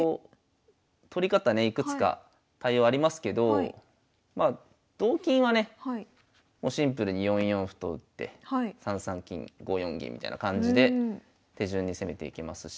取り方ねいくつか対応ありますけどまあ同金はねもうシンプルに４四歩と打って３三金５四銀みたいな感じで手順に攻めていけますし。